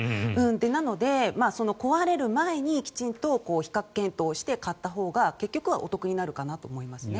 なので、壊れる前にきちんと比較検討して買ったほうが結局はお得になるかなと思いますね。